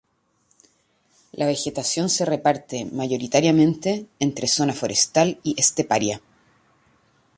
La vegetación se reparte mayoritariamente entre zona forestal y esteparia.